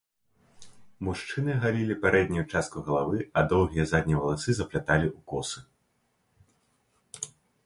Мужчыны галілі пярэднюю частку галавы, а доўгія заднія валасы запляталі ў косы.